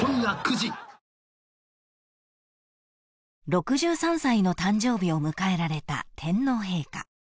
［６３歳の誕生日を迎えられた天皇陛下］